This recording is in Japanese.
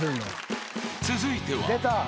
［続いては］